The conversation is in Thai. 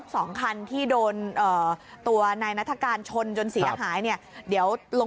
ทั้งสองคันที่โดนตัวในนัฐกาลชนจนสีอาหารเนี่ยเดี๋ยวลง